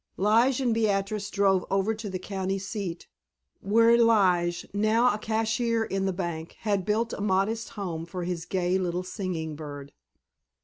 Lige and Beatrice drove over to the county seat, where Lige, now a cashier in the bank, had built a modest home for his gay little singing bird.